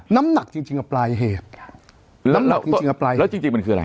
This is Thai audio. น้ำหนักจริงจริงอ่ะปลายเหตุน้ำหนักจริงจริงอ่ะปลายเหตุแล้วจริงจริงมันคืออะไร